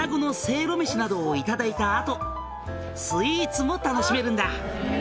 「などをいただいた後スイーツも楽しめるんだ」